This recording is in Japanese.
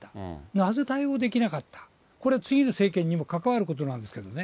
なぜ対応できなかった、これ、次の政権にも関わることなんですけどね。